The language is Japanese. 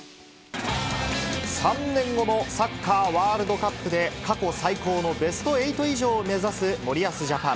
３年後のサッカーワールドカップで過去最高のベストエイト以上を目指す森保ジャパン。